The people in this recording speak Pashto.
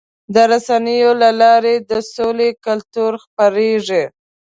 د رسنیو له لارې د سولې کلتور خپرېږي.